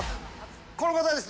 この方です。